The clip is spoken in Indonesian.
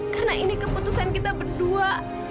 karena ini keputusan kita berdua